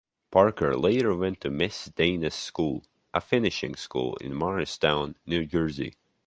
Parker later went to Miss Dana's School, a finishing school in Morristown, New Jersey.